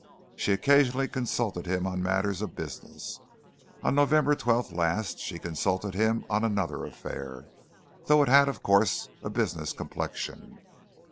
She occasionally consulted him on matters of business. On November 12th last she consulted him on another affair though it had, of course, a business complexion.